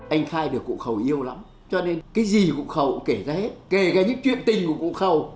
anh khai được cụ khẩu yêu lắm cho nên cái gì cụ khẩu cũng kể ra hết kể ra những chuyện tình của cụ khẩu